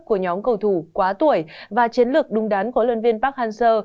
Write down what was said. của nhóm cầu thủ quá tuổi và chiến lược đúng đắn của huấn luyện viên park hang seo